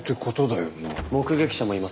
目撃者もいます。